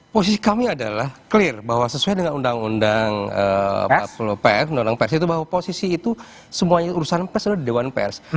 posisi kami adalah clear bahwa sesuai dengan undang undang pers undang undang pers itu bahwa posisi itu semuanya urusan pers adalah di dewan pers